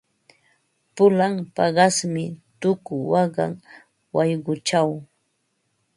Pulan paqasmi tuku waqan wayquchaw.